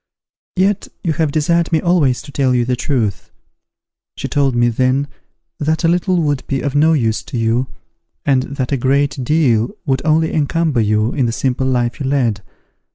Yet you have desired me always to tell you the truth. She told me then that a little would be of no use to you, and that a great deal would only encumber you in the simple life you led.